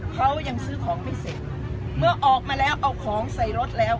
เขายังซื้อของไม่เสร็จเมื่อออกมาแล้วเอาของใส่รถแล้ว